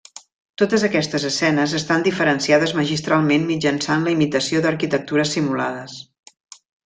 Totes aquestes escenes estan diferenciades magistralment mitjançant la imitació d'arquitectures simulades.